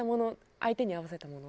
相手に合わせたもの？